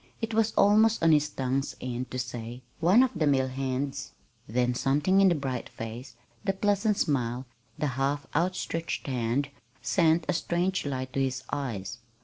It was almost on his tongue's end to say, "One of the mill hands"; then something in the bright face, the pleasant smile, the half outstretched hand, sent a strange light to his eyes.